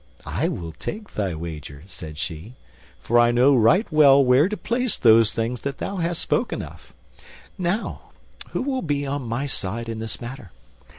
"I will take thy wager," said she, "for I know right well where to place those things that thou hast spoken of. Now, who will be on my side in this matter?"